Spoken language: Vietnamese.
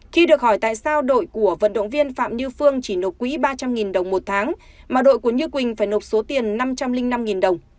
khi được hỏi tại sao đội của vận động viên phạm như phương chỉ nộp quỹ ba trăm linh đồng một tháng mà đội của như quỳnh phải nộp số tiền năm trăm linh năm đồng